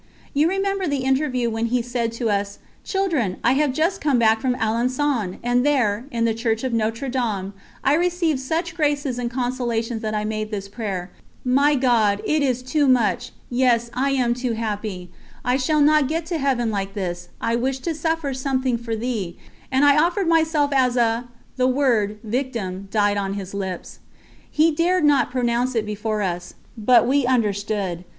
You remember the interview when he said to us: "Children, I have just come back from Alençon, and there, in the Church of Notre Dame, I received such graces and consolations that I made this prayer: 'My God, it is too much, yes, I am too happy; I shall not get to Heaven like this, I wish to suffer something for Thee and I offered myself as a'" the word victim died on his lips. He dared not pronounce it before us, but we understood.